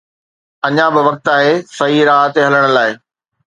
اڃا به وقت آهي صحيح راهه تي هلڻ لاءِ